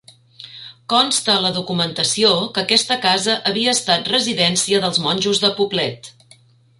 Consta a la documentació que aquesta casa havia estat residència dels monjos de Poblet.